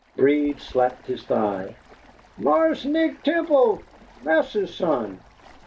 Breed slapped his thigh. "Marse Nick Temple, Marsa's son.